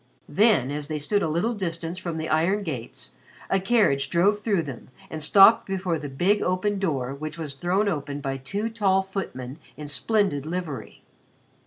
Then, as they stood at a little distance from the iron gates, a carriage drove through them and stopped before the big open door which was thrown open by two tall footmen in splendid livery.